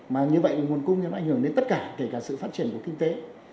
mà như vậy nguồn cung nó ảnh hưởng đến tất cả kể cả sự phát triển của kinh tế